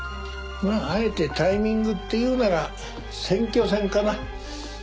まああえてタイミングっていうなら選挙戦かな。